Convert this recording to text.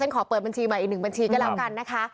ขอเปิดบัญชีใหม่อีกหนึ่งบัญชีก็แล้วกันนะคะ